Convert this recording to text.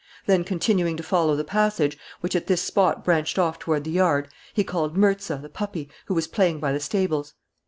Then, continuing to follow the passage, which at this spot branched off toward the yard, he called Mirza, the puppy, who was playing by the stables.